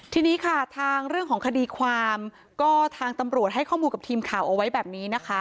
ทีนี้ค่ะทางเรื่องของคดีความก็ทางตำรวจให้ข้อมูลกับทีมข่าวเอาไว้แบบนี้นะคะ